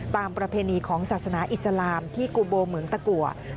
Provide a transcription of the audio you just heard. ประเพณีของศาสนาอิสลามที่กุโบเหมืองตะกัว